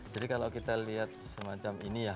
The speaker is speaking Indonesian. jadi kalau kita lihat semacam ini ya